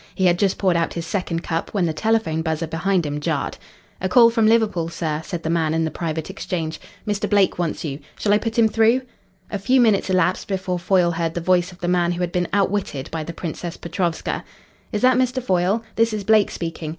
He had just poured out his second cup, when the telephone buzzer behind him jarred. "A call from Liverpool, sir," said the man in the private exchange. "Mr. Blake wants you. Shall I put him through?" A few minutes elapsed before Foyle heard the voice of the man who had been outwitted by the Princess Petrovska. "Is that Mr. Foyle? This is Blake speaking.